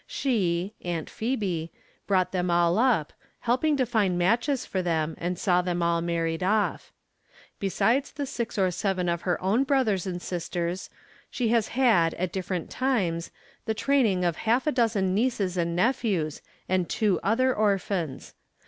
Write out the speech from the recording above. She (Aunt Phebe) brought them all up, helping to find matches for them, and saw them all mar ried off. Besides the six or seven of her own brothers and sisters, she has had, at different times, the training of half a dozen rdeces and nephews, and two other orphans.